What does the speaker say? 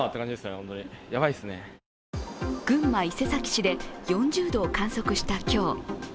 群馬・伊勢崎市で４０度を観測した今日。